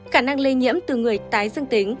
khả năng lây nhiễm từ người tái dương tính